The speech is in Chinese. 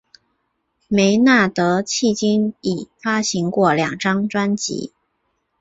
梅纳德迄今已发行过两张专辑。